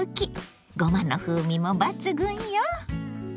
ごまの風味も抜群よ！